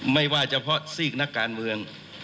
ไม่ว่าเฉพาะซีกนักการเมือง